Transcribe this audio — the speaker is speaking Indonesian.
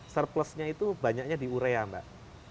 surplusnya itu banyaknya di urea mbak